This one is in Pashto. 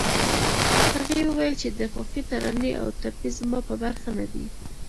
هغې وويل چې د خوښۍ ترانې او ټپې زما په برخه نه دي